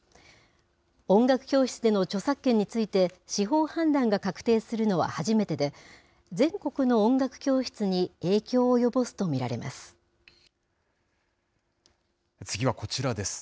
音楽教室での著作権について、司法判断が確定するのは初めてで、全国の音楽教室に影響を及ぼすと見られます。